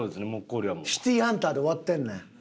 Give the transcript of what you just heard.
『シティーハンター』で終わってんねん。